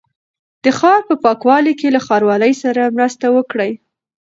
د ښار په پاکوالي کې له ښاروالۍ سره مرسته وکړئ.